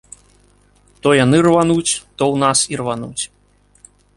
То яны рвануць, то ў нас ірвануць.